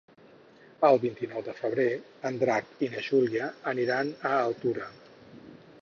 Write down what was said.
El vint-i-nou de febrer en Drac i na Júlia aniran a Altura.